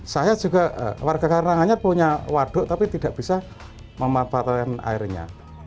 saya juga warga karanganyar punya waduk tapi tidak bisa memanfaatkan airnya